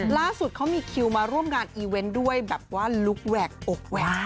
ล่าสุดเขามีคิวมาร่วมงานอีเวนต์ด้วยแบบว่าลุคแหวกอกแหวก